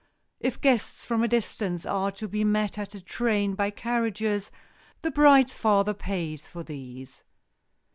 If guests from a distance are to be met at the train by carriages, the bride's father pays for these.